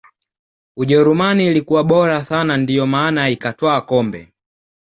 ujerumani ilikuwa bora sana ndiyo maana ikatwaa kombe